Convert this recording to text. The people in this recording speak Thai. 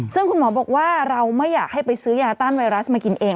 ซึ่งคุณหมอบอกว่าเราไม่อยากให้ไปซื้อยาต้านไวรัสมากินเอง